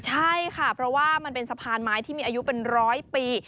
ใช่ค่ะเพราะว่ามันเป็นสะพานไม้ที่มีอายุเป็นร้อยปี